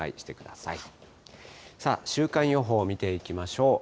さあ、週間予報見ていきましょう。